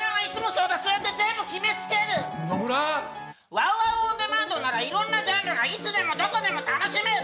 ＷＯＷＯＷオンデマンドならいろんなジャンルがいつでもどこでも楽しめる！